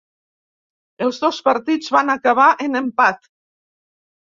Els dos partits van acabar en empat.